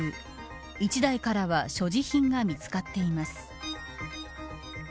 １台からは所持品が見つかっています。